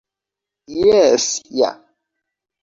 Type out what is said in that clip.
Jes ja...